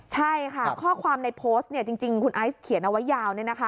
ใช่ค่ะข้อความในโพสต์จริงคุณไอซ์เขียนเอาไว้ยาว